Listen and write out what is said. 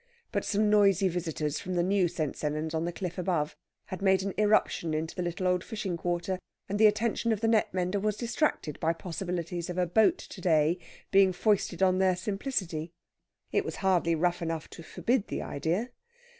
But some noisy visitors from the new St. Sennans on the cliff above had made an irruption into the little old fishing quarter, and the attention of the net mender was distracted by possibilities of a boat to day being foisted on their simplicity; it was hardly rough enough to forbid the idea.